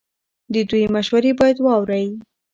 د دوی مشورې باید واورئ.